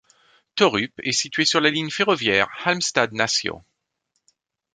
Torup est situé sur la ligne ferroviaire Halmstad-Nässjö.